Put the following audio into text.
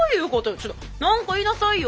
ちょっと何か言いなさいよ。